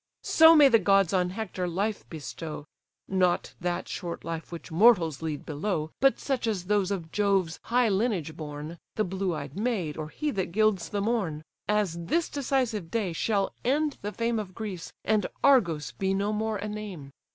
So may the gods on Hector life bestow, (Not that short life which mortals lead below, But such as those of Jove's high lineage born, The blue eyed maid, or he that gilds the morn,) As this decisive day shall end the fame Of Greece, and Argos be no more a name.